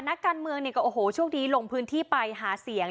นักการเมืองเนี่ยก็โอ้โหช่วงนี้ลงพื้นที่ไปหาเสียง